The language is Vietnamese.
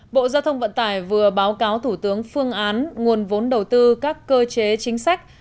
bộ giao thông vận tải vừa báo cáo thủ tướng phương án nguồn vốn đầu tư các cơ chế chính sách